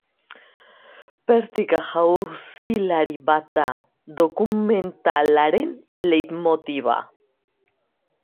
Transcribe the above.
Pertika jauzilari bat da dokumentalaren leitmotiva.